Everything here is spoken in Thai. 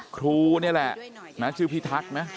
ครูนี่แหละนั้นชื่อพี่ทักนะ